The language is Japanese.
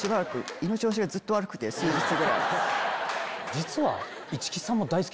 実は。